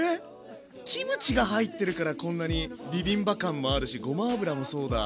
⁉キムチが入ってるからこんなにビビンバ感もあるしごま油もそうだ。